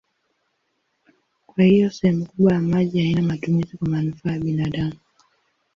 Kwa hiyo sehemu kubwa ya maji haina matumizi kwa manufaa ya binadamu.